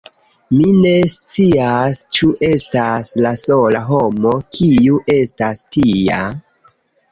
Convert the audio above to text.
Mi ne scias… Ĉu estas la sola homo, kiu estas tia?